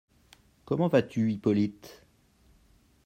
comment vas-tu, Hippolyte?